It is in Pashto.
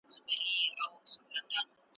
ويل كښېنه د كور مخي ته جنجال دئ .